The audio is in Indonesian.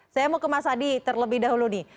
saya mau ke mas adi terlebih dahulu nih